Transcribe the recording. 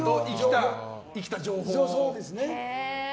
生きた情報を。